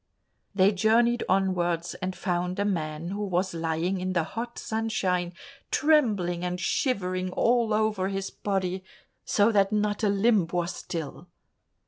They journeyed onwards and found a man who was lying in the hot sunshine, trembling and shivering all over his body, so that not a limb was still.